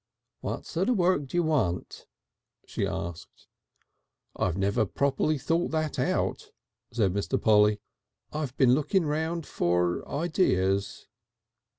"What sort of work do you want?" she asked. "I've never properly thought that out," said Mr. Polly. "I've been looking round for Ideas."